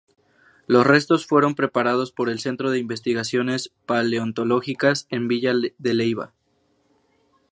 Los restos fueron preparados por el Centro de Investigaciones Paleontológicas en Villa de Leyva.